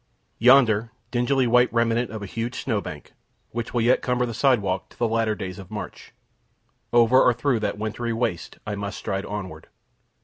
Yonder dingily white remnant of a huge snow bank, which will yet cumber the sidewalk till the latter days of March, over or through that wintry waste must I stride onward.